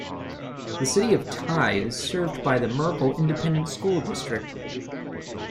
The City of Tye is served by the Merkel Independent School District.